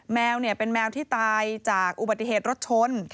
แมวเป็นแมวที่ตายจากอุบัติเหตุรถชน